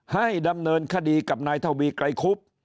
ให้ดำเนินคดีกับนายทวีไกรคุบ